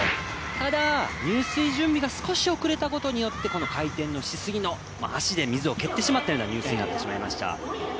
ただ入水準備が少し遅れたことによってこの回転のしすぎの、足で水を蹴ってしまったような入水になってしまいました。